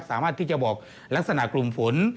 สามารถที่จะบอกลักษณะกลุ่มฝน